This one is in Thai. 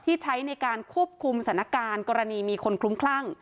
ใช้ในการควบคุมสถานการณ์กรณีมีคนคลุ้มคลั่ง